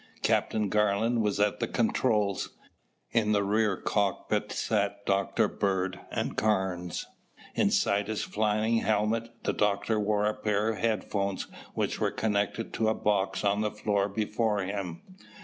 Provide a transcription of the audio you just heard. Captain Garland was at the controls. In the rear cockpit sat Dr. Bird and Carnes. Inside his flying helmet, the doctor wore a pair of headphones which were connected to a box on the floor before him.